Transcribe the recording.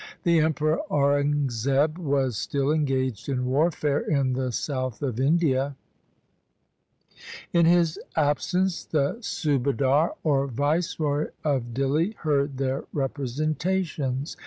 The Emperor Aurangzeb was still engaged in warfare in the south of India. In his absence the Subadar or viceroy of Dihli heard their representations.